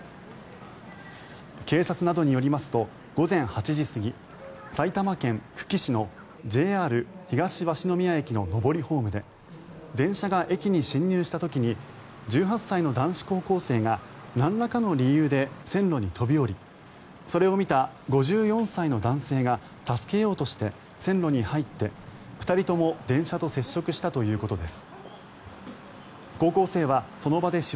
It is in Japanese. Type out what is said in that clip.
警察などによりますと午前８時過ぎ埼玉県久喜市のＪＲ東鷲宮駅の上りホームで電車が駅に進入した時に１８歳の男子高校生がなんらかの理由で線路に飛び降りそれを見た５４歳の男性が助けようとして線路に入って２人とも電車と接触したということです。